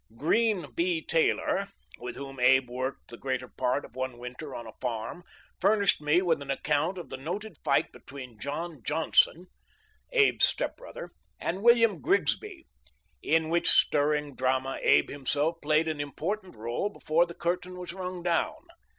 Green B. Taylor, with whom Abe worked the greater part of one winter on a farm, furnished me with an account of the noted fight between John Johnston, Abe's step brother, and William Grigsby, in which stirring drama Abe himself played an important role before the curtain was rung down.